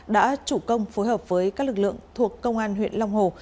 đã chủ công phối hợp với các lực lượng thuộc công an huyện long hồ